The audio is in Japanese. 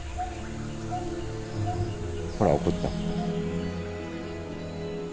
ほら怒った。